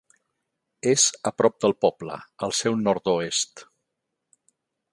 És a prop del poble, al seu nord-oest.